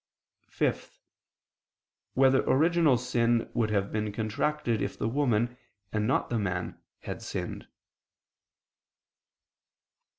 (5) Whether original sin would have been contracted if the woman, and not the man, had sinned?